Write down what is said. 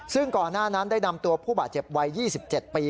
ซึ่งก่อนหน้านั้นได้นำตัวผู้บาดเจ็บวัย๒๗ปี